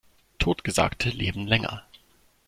Totgesagte leben länger.